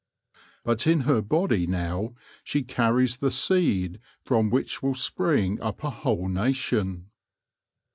But in her body now she carries the seed from which will spring up a whole nation.